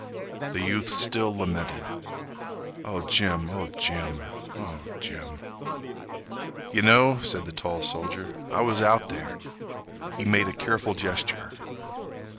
The youth still lamented. "Oh, Jim—oh, Jim—oh, Jim—" "Yeh know," said the tall soldier, "I was out there." He made a careful gesture.